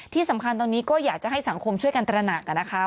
ที่สำคัญตอนนี้ก็อยากจะให้สังคมช่วยกันตระหนักนะคะ